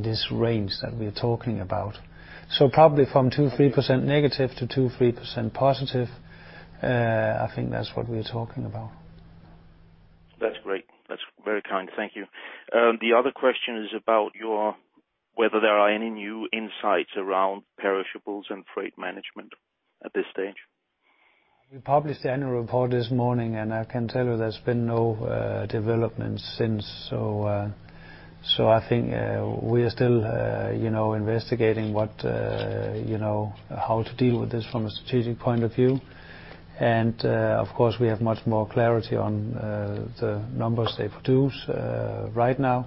this range that we're talking about. Probably from -2% to -3% to +2% to +3%. I think that's what we're talking about. That's great. That's very kind. Thank you. The other question is about whether there are any new insights around perishables and freight management at this stage. We published the annual report this morning, and I can tell you there's been no development since. I think we are still investigating how to deal with this from a strategic point of view. Of course, we have much more clarity on the numbers they produce right now.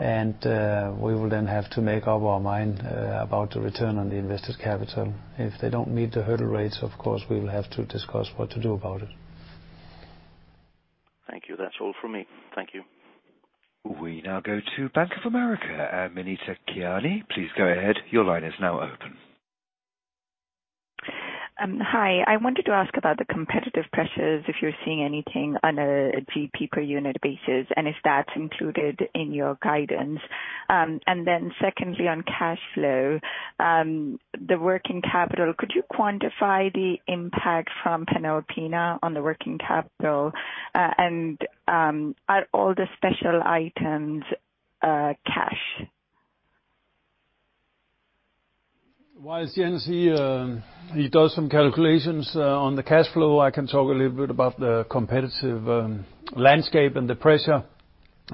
We will then have to make up our mind about the return on the invested capital. If they don't meet the hurdle rates, of course, we will have to discuss what to do about it. Thank you. That's all from me. Thank you. We now go to Bank of America, Muneeba Kayani. Please go ahead. Your line is now open. Hi. I wanted to ask about the competitive pressures, if you're seeing anything on a GP per unit basis, and if that's included in your guidance. Secondly, on cash flow, the working capital, could you quantify the impact from Panalpina on the working capital? Are all the special items cash? While Jens, here. He Does some calculations on the cash flow, I can talk a little bit about the competitive landscape and the pressure,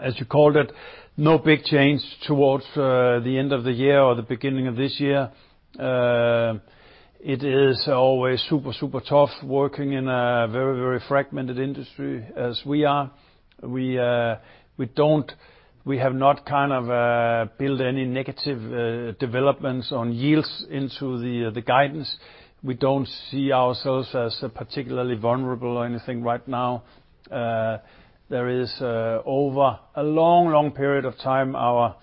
as you called it. No big change towards the end of the year or the beginning of this year. It is always super tough working in a very, very fragmented industry as we are. We have not built any negative developments on yields into the guidance. We don't see ourselves as particularly vulnerable or anything right now. There is, over a long, long period of time, our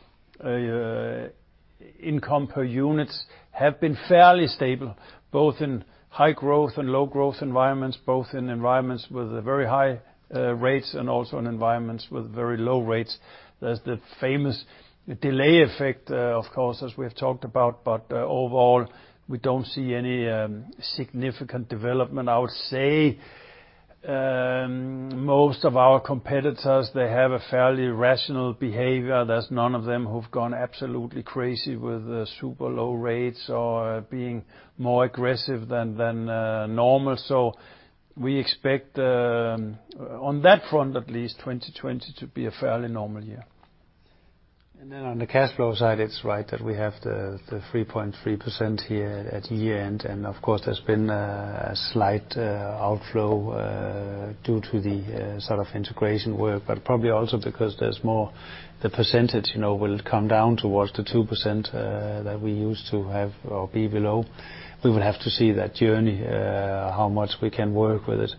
income per units have been fairly stable, both in high growth and low growth environments, both in environments with very high rates and also in environments with very low rates. There's the famous delay effect, of course, as we've talked about, but overall, we don't see any significant development. I would say, most of our competitors, they have a fairly rational behavior. There's none of them who've gone absolutely crazy with super low rates or being more aggressive than normal. We expect, on that front at least, 2020 to be a fairly normal year. On the cash flow side, it's right that we have the 3.3% here at year-end, and of course, there's been a slight outflow due to the integration work. Probably also because there's more, the percentage will come down towards the 2% that we used to have or be below. We will have to see that journey, how much we can work with it.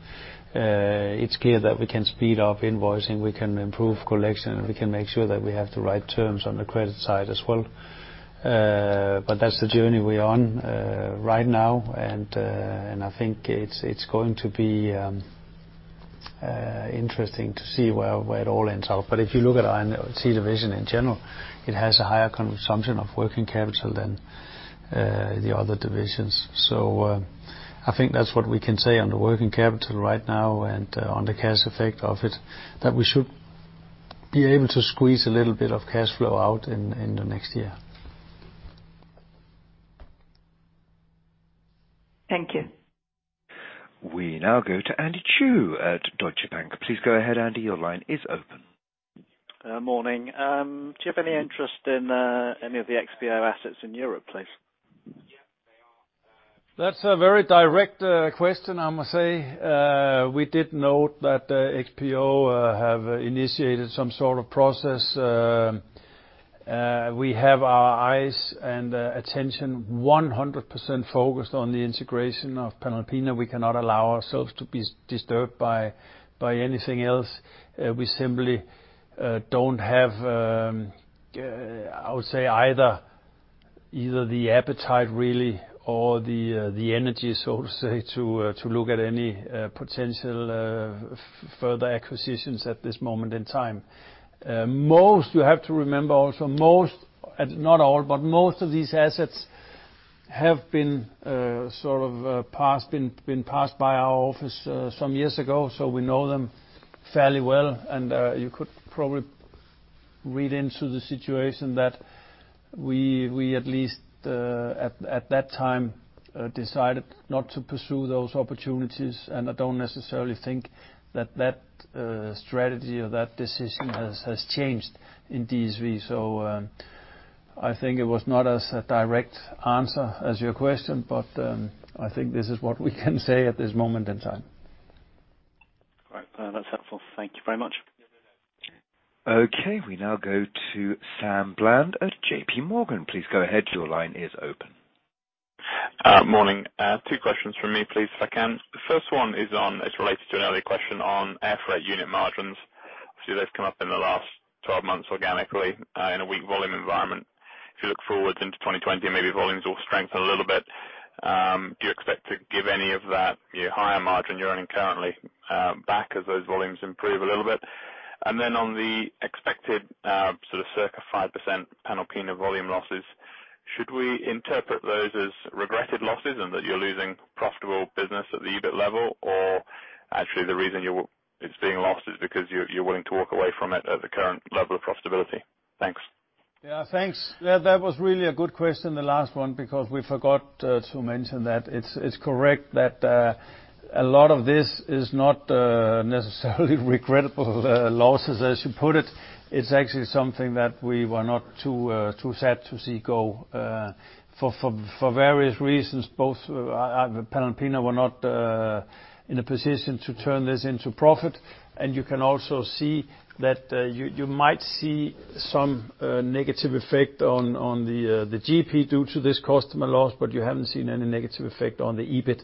It's clear that we can speed up invoicing, we can improve collection, and we can make sure that we have the right terms on the credit side as well. That's the journey we're on right now, and I think it's going to be interesting to see where it all ends up. If you look at our IT division in general, it has a higher consumption of working capital than the other divisions. I think that's what we can say on the working capital right now and on the cash effect of it. That we should be able to squeeze a little bit of cash flow out in the next year. Thank you. We now go to Andy Chu at Deutsche Bank. Please go ahead, Andy. Your line is open. Morning. Do you have any interest in any of the XPO assets in Europe, please? That's a very direct question, I must say. We did note that XPO have initiated some sort of process. We have our eyes and attention 100% focused on the integration of Panalpina. We cannot allow ourselves to be disturbed by anything else. We simply don't have, I would say, either the appetite really or the energy, so to say, to look at any potential further acquisitions at this moment in time. You have to remember also, most, not all, but most of these assets have been passed by our office some years ago, so we know them fairly well. You could probably read into the situation that we at least, at that time, decided not to pursue those opportunities. I don't necessarily think that that strategy or that decision has changed in DSV. I think it was not as a direct answer as your question, but I think this is what we can say at this moment in time. All right. That's helpful. Thank you very much. Okay. We now go to Sam Bland at JPMorgan. Please go ahead. Your line is open. Good Morning. Two questions from me, please, if I can. The first one is on, it's related to an earlier question on air freight unit margins. Obviously, they've come up in the last 12 months organically, in a weak volume environment. If you look forward into 2020, maybe volumes will strengthen a little bit. Do you expect to give any of that higher margin you're earning currently back as those volumes improve a little bit? On the expected sort of circa 5% Panalpina volume losses, should we interpret those as regretted losses and that you're losing profitable business at the EBIT level? Actually, the reason it's being lost is because you're willing to walk away from it at the current level of profitability? Thanks. Yeah, thanks. That was really a good question, the last one, because we forgot to mention that. It's correct that a lot of this is not necessarily regrettable losses, as you put it. It's actually something that we were not too sad to see go. For various reasons, both Panalpina were not in a position to turn this into profit. You can also see that you might see some negative effect on the GP due to this customer loss, but you haven't seen any negative effect on the EBIT.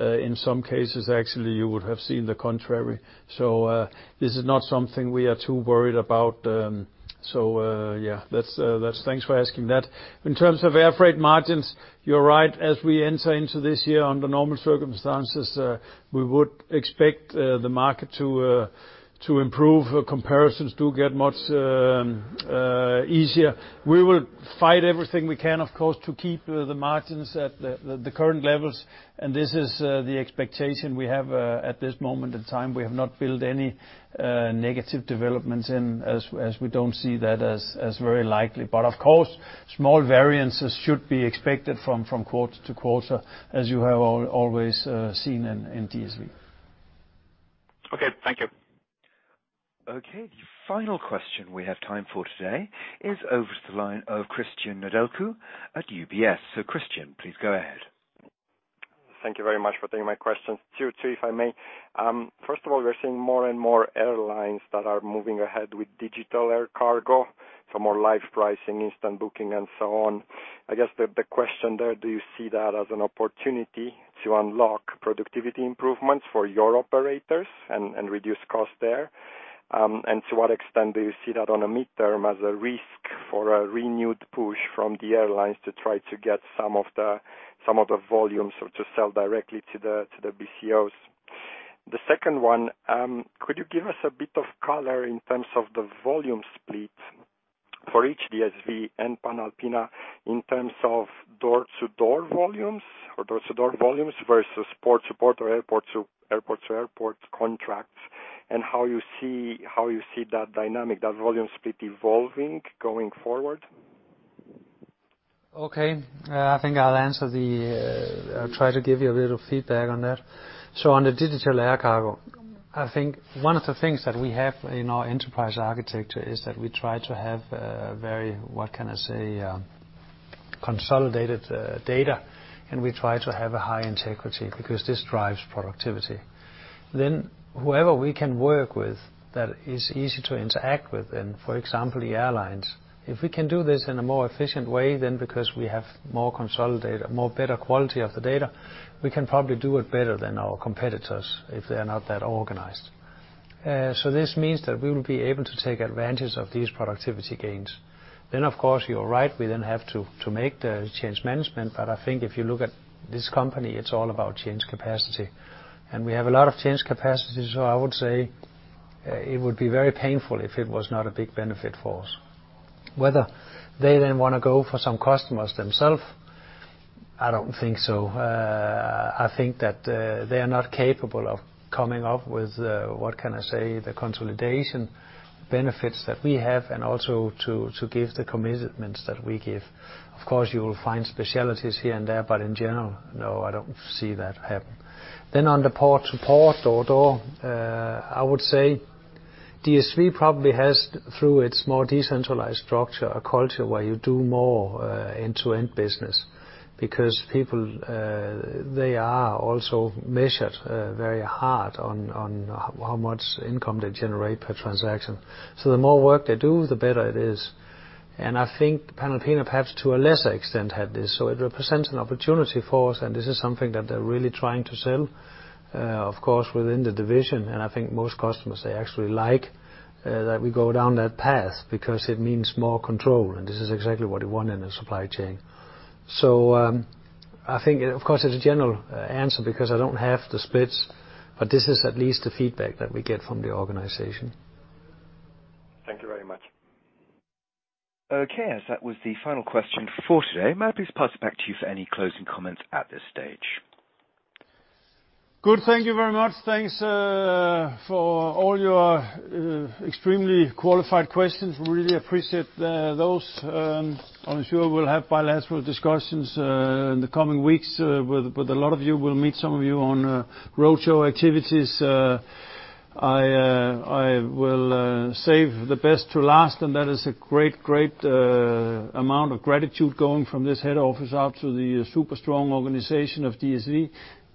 In some cases, actually, you would have seen the contrary. This is not something we are too worried about. Yeah. Thanks for asking that. In terms of air freight margins, you're right. As we enter into this year, under normal circumstances, we would expect the market to improve. Comparisons do get much easier. We will fight everything we can, of course, to keep the margins at the current levels, and this is the expectation we have at this moment in time. We have not built any negative developments in, as we don't see that as very likely. Of course, small variances should be expected from quarter to quarter, as you have always seen in DSV. Thank you. Okay. The final question we have time for today is over to the line of Cristian Nedelcu at UBS. Cristian, please go ahead. Thank you very much for taking my questions. Two, if I may. First of all, we're seeing more and more airlines that are moving ahead with digital air cargo, so more live pricing, instant booking, and so on. I guess the question there, do you see that as an opportunity to unlock productivity improvements for your operators and reduce costs there? To what extent do you see that on a midterm as a risk for a renewed push from the airlines to try to get some of the volumes to sell directly to the BCOs? The second one, could you give us a bit of color in terms of the volume split for each DSV and Panalpina in terms of door-to-door volumes versus port-to-port or airport-to-airport contracts, and how you see that dynamic, that volume split evolving going forward? Okay. I think I'll answer the I'll try to give you a little feedback on that. On the digital air cargo, I think one of the things that we have in our enterprise architecture is that we try to have very, what can I say, consolidated data, and we try to have a high integrity, because this drives productivity. Whoever we can work with that is easy to interact with, and for example, the airlines, if we can do this in a more efficient way, then because we have more consolidated, more better quality of the data, we can probably do it better than our competitors if they're not that organized. This means that we will be able to take advantage of these productivity gains. Of course, you're right, we then have to make the change management. I think if you look at this company, it's all about change capacity. We have a lot of change capacity, so I would say it would be very painful if it was not a big benefit for us. Whether they then want to go for some customers themselves, I don't think so. I think that they are not capable of coming up with, what can I say, the consolidation benefits that we have and also to give the commitments that we give. Of course, you will find specialties here and there, but in general, no, I don't see that happen. On the port-to-port, door-to-door, I would say DSV probably has, through its more decentralized structure, a culture where you do more end-to-end business because people, they are also measured very hard on how much income they generate per transaction. The more work they do, the better it is. I think Panalpina, perhaps to a lesser extent, had this. It represents an opportunity for us, and this is something that they're really trying to sell, of course, within the division. I think most customers, they actually like that we go down that path because it means more control, and this is exactly what they want in a supply chain. I think, of course, it's a general answer because I don't have the splits, but this is at least the feedback that we get from the organization. Thank you very much. Okay, as that was the final question for today, may I please pass it back to you for any closing comments at this stage? Good. Thank you very much. Thanks for all your extremely qualified questions. Really appreciate those. I'm sure we'll have bilateral discussions in the coming weeks with a lot of you. We'll meet some of you on roadshow activities. I will save the best to last, and that is a great amount of gratitude going from this head office out to the super strong organization of DSV.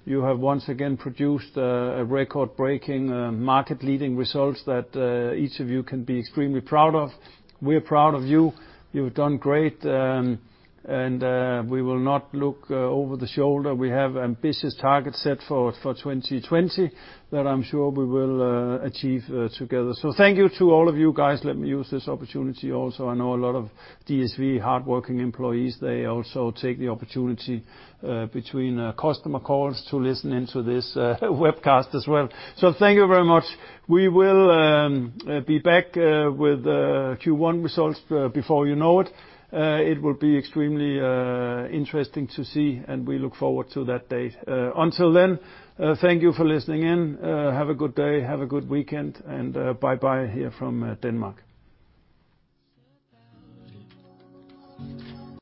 You have once again produced a record-breaking, market-leading results that each of you can be extremely proud of. We're proud of you. You've done great, and we will not look over the shoulder. We have ambitious targets set for 2020 that I'm sure we will achieve together. Thank you to all of you guys. Let me use this opportunity also. I know a lot of DSV hardworking employees, they also take the opportunity between customer calls to listen in to this webcast as well. Thank you very much. We will be back with Q1 results before you know it. It will be extremely interesting to see, and we look forward to that date. Until then, thank you for listening in. Have a good day, have a good weekend, and bye-bye here from Denmark.